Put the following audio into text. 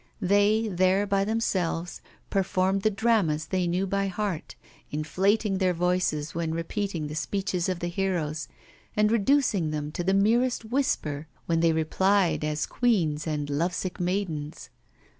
They there by themselves performed the dramas they knew by heart, inflating their voices when repeating the speeches of the heroes, and reducing them to the merest whisper when they replied as queens and love sick maidens.